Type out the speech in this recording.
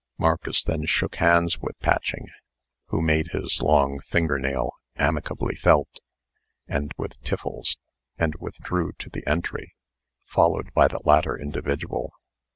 Marcus then shook hands with Patching who made his long finger nail amicably felt and with Tiffles, and withdrew to the entry, followed by the latter individual.